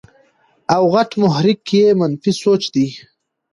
او غټ محرک ئې منفي سوچ وي -